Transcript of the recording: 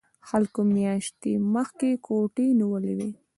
خلکو میاشتې مخکې کوټې نیولې وي